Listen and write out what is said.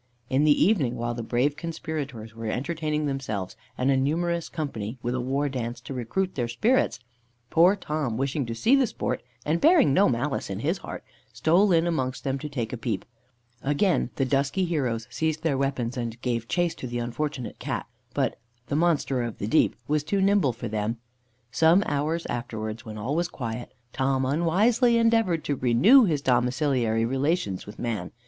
In the evening, while the brave conspirators were entertaining themselves and a numerous company with a war dance, to recruit their spirits, poor Tom, wishing to see the sport, and bearing no malice in his heart, stole in amongst them to take a peep. Again the dusky heroes seized their weapons and gave chase to the unfortunate Cat; but "the monster of the deep" was too nimble for them. Some hours afterwards, when all was quiet, Tom unwisely endeavoured to renew his domiciliary relations with man.